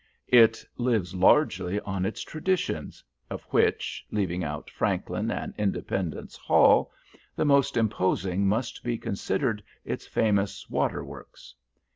It lives largely on its traditions, of which, leaving out Franklin and Independence Hall, the most imposing must be considered its famous water works.